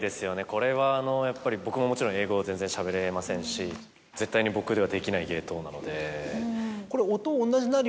これはやっぱり僕ももちろん英語を全然しゃべれませんし絶対に僕では。